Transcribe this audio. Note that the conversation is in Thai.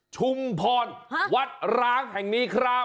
ชุมพรวัดร้างแห่งนี้ครับ